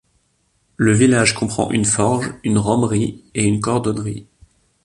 Le village comprend une forge, une rhumerie et une cordonnerie.